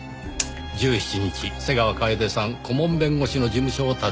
１７日瀬川楓さん顧問弁護士の事務所を訪ねる。